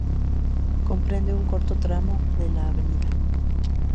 Comprende un corto tramo de la "Av.